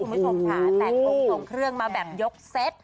คุณผู้ชมค่ะแต่งองค์ทรงเครื่องมาแบบยกเซต